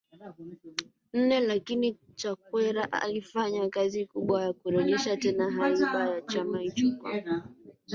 nne lakini Chakwera alifanya kazi kubwa ya kurejesha tena haiba ya chama hicho kwa